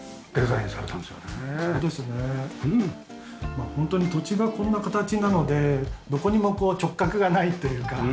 まあ本当に土地がこんな形なのでどこにも直角がないというか。